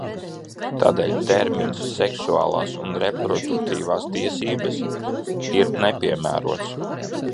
"Tādēļ termins "seksuālās un reproduktīvās tiesībās" ir nepiemērots."